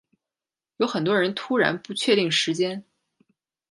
有很多人突然不确定时间